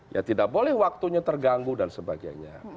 ya tidak boleh waktunya terganggu dan sebagainya